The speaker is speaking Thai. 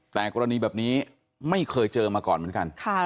แต่กรณีแบบนี้ไม่เคยเจอมาก่อนเหมือนกัน